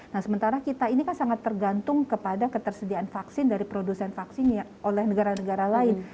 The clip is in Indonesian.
nah sementara kita ini kan sangat tergantung kepada ketersediaan vaksin dari produsen vaksinnya oleh negara negara lain